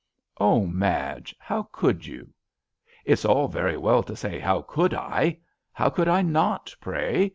"Oh I Madge, how could you?" " It's all very well to say * how could I ' I How could I not, pray?